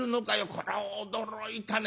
こりゃ驚いたね。